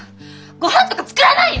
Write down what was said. ごはんとか作らない！